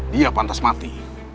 dia pantas mati